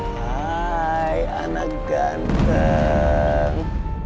hai anak ganteng